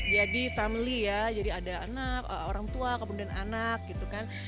jadi family ya jadi ada anak orang tua kemudian anak gitu kan